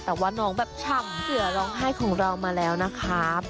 แต่ว่าน้องแบบฉ่ำเสือร้องไห้ของเรามาแล้วนะครับ